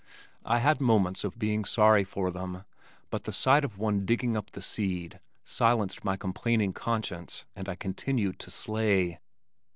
I had moments of being sorry for them, but the sight of one digging up the seed, silenced my complaining conscience and I continued to slay.